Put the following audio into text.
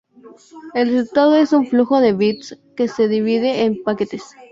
El resultado es un flujo de bits que se divide en paquetes.